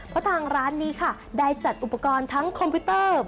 เพราะทางร้านนี้ค่ะได้จัดอุปกรณ์ทั้งคอมพิวเตอร์